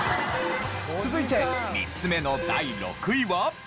続いて３つ目の第６位は。